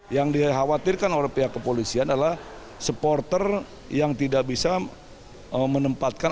yang dikhawatirkan oleh pihak kepolisian adalah supporter yang tidak bisa menempatkan